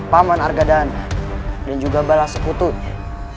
paman argadana dan juga balas sekutunya